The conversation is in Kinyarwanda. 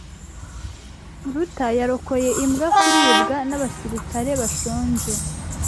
Ruta yarokoye imbwa kuribwa n'abasirikare bashonje.